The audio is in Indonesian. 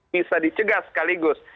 bisa dicegah sekaligus